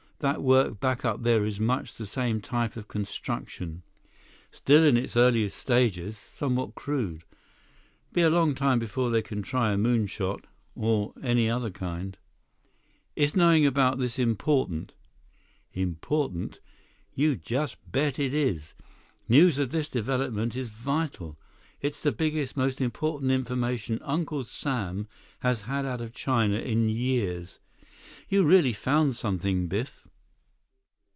That work back up there is much the same type of construction. Still in its earliest stages, somewhat crude. Be a long time before they can try a moon shot, or any other kind." 178 "Is knowing about this important?" "Important. You just bet it is. News of this development is vital. It's the biggest, most important information Uncle Sam has had out of China in years. You really found something, Biff."